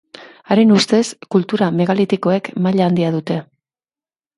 Haren ustez kultura megalitikoek maila handia dute.